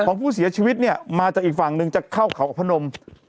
ของผู้เสียชีวิตเนี่ยมาจากอีกฝั่งหนึ่งจะเข้าเขากับพนม